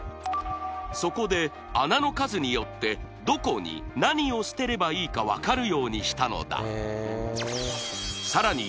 そこで穴の数によってどこに何を捨てればいいか分かるようにしたのださらに